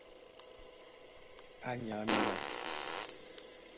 Á nyǎ mǐlá.